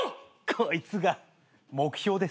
こいつが目標です。